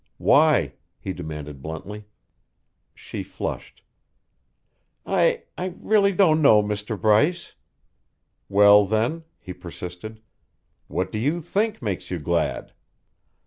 "Why?" he demanded bluntly. She flushed. "I I really don't know, Mr. Bryce." "Well, then," he persisted, "what do you think makes you glad?"